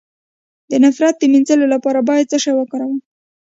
د نفرت د مینځلو لپاره باید څه شی وکاروم؟